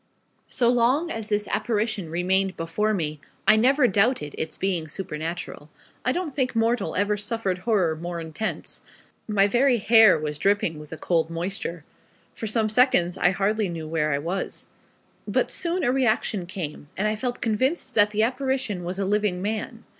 So long as this apparition remained before me, I never doubted its being supernatural. I don't think mortal ever suffered horror more intense. My very hair was dripping with a cold moisture. For some seconds I hardly knew where I was. But soon a reaction came, and I felt convinced that the apparition was a living man.